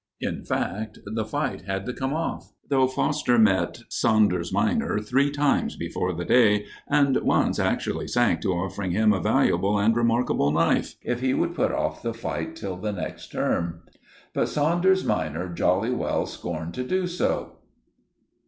In fact, the fight had to come off, though Foster met Saunders minor three times before the day, and once actually sank to offering him a valuable and remarkable knife if he would put off the fight till the next term. But Saunders minor jolly well scorned to do so.